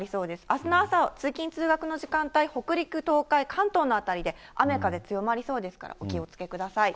あすの朝、通勤・通学の時間帯、北陸、東海、関東の辺りで、雨風強まりそうですから、お気をつけください。